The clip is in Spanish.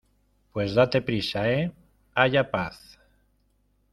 pues date prisa. ¡ eh! haya paz .